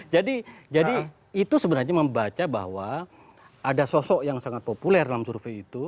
jadi itu sebenarnya membaca bahwa ada sosok yang sangat populer dalam survei itu